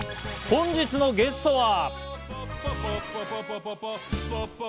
本日のゲストは。